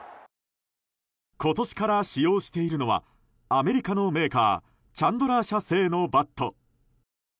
今年から使用しているのはアメリカのメーカーチャンドラー社製のバット。